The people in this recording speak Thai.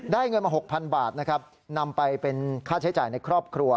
เงินมา๖๐๐๐บาทนะครับนำไปเป็นค่าใช้จ่ายในครอบครัว